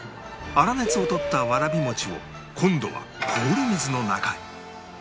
粗熱を取ったわらび餅を今度は氷水の中に